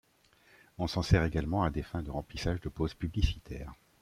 On s'en sert également à des fins de remplissages de pauses publicitaires.